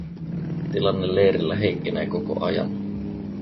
Tilanne leirillä heikkenee koko ajan.